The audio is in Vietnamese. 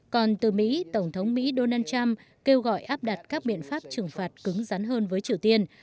còn từ mỹ tổng thống mỹ donald trump kêu gọi áp đặt các biện pháp trừng phạt cứng rắn hơn với triều tiên